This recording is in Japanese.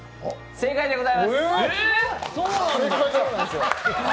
正解でございます。